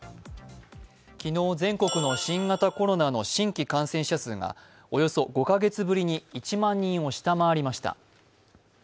昨日、全国の新型コロナの新規感染者数がおよそ５カ月ぶりに１万人を下回りました。